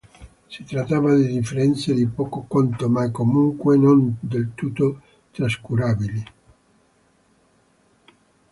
Si trattava di differenze di poco conto, ma comunque non del tutto trascurabili.